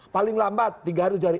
paling lambat tiga hari itu jari